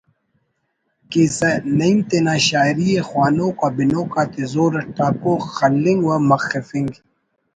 کیسہ“ نعیم تینا شاعری ءِ خوانوک و بنوک آتے زور اٹ ٹاکو خلنگ و مخفنگ